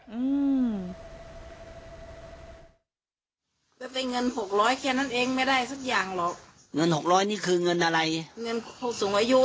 เงิน๖๐๐บาทแค่นั้นเองไม่ได้สักอย่างหรอกเงิน๖๐๐บาทนี่คือ